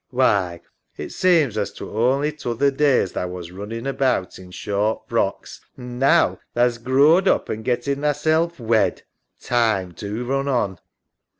Why, it seems as t'were only t'other day as tha was running about in short frocks, an' now tha's growed up and gettin' thasel' wed! Time do run on.